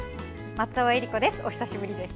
松尾衣里子です。